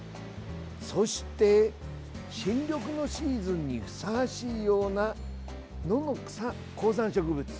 そして、新緑のシーズンにふさわしいような野の草、高山植物